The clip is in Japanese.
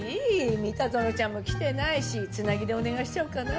三田園ちゃんも来てないし繋ぎでお願いしちゃおうかな。